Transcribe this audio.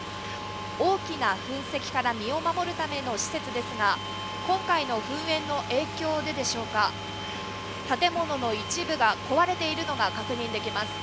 大きな噴石から身を守るための施設ですが、今回の噴煙の影響ででしょうか、建物の一部が壊れているのが確認できます。